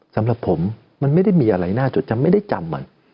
สำหรับผมมันไม่ได้มีอะไรน่าจดจำไม่ได้จำ